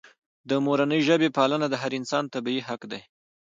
د مورنۍ ژبې پالنه د هر انسان طبیعي حق دی.